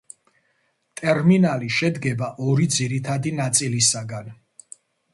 ტერმინალი შედგება ორი ძირითადი ნაწილისაგან.